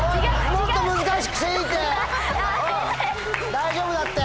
大丈夫だって！